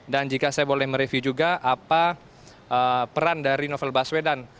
dan jika saya boleh mereview juga apa peran dari novel baswedan